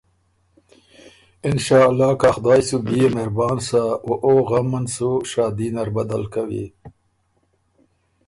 انشأالله که ا خدایٛ سُو بيې مهربان سَۀ او او غم ان سُو شادي نر بدل کوی